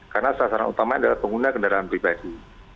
karena sasaran utama adalah pengguna kendaraan pribadi